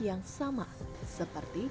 yang sama seperti